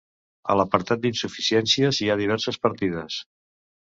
A l’apartat d’insuficiències, hi ha diverses partides.